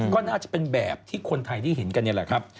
ก็น่าจะเป็นแบบที่คนไทยได้เห็นกันนี่แหละครับ